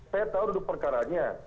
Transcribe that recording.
saya tahu dulu perkaranya